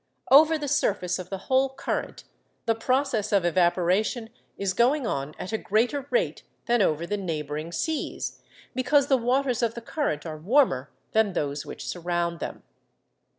Over the surface of the whole current the process of evaporation is going on at a greater rate than over the neighbouring seas, because the waters of the current are warmer than those which surround them.